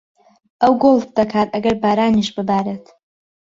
ئەو گۆڵف دەکات ئەگەر بارانیش ببارێت.